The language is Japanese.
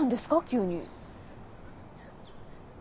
急に。